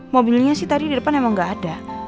mobilnya sih tadi di depan emang gak ada